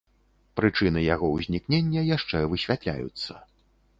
Прычыны яго ўзнікнення яшчэ высвятляюцца.